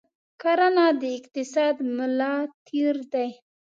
کرنه د اقتصاد ملا تیر دی.